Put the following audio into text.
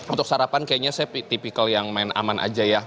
untuk sarapan kayaknya saya tipikal yang main aman aja ya